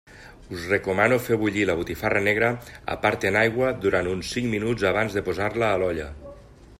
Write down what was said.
Us recomano fer bullir la botifarra negra a part en aigua durant uns cinc minuts abans de posar-la a l'olla.